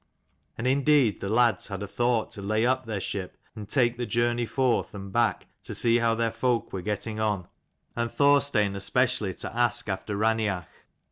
And indeed the lads had a thought to lay up their ship and take the journey forth and back to see how their folk were getting on, and Thorstein especially to ask after Raineach.